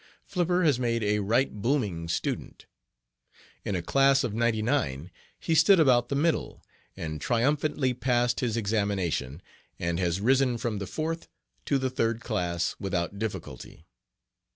Flipper has made a right booming student. In a class of ninety nine he stood about the middle, and triumphantly passed his examination, and has risen from the fourth to the third class without difficulty.